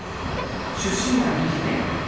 出身は岐阜県。